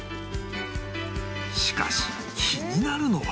しかし気になるのは